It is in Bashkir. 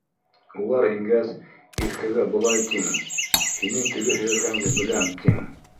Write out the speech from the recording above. Улар ингәс, Иркәгә былай тиң... һинең теге һөйәркәңде беләм, тиң.